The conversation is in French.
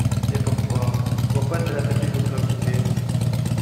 Mais pourquoi... en quoi cela peut-il vous préoccuper?